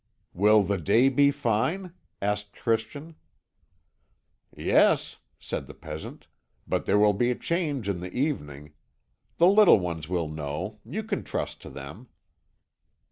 "Will the day be fine?" asked Christian. "Yes," said the peasant; "but there will be a change in the evening. The little ones will know you can trust to them."